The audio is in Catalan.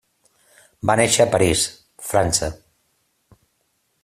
Va néixer a París, França.